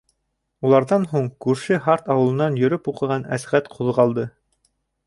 Уларҙан һуң күрше Һарт ауылынан йөрөп уҡыған Әсғәт ҡуҙғалды.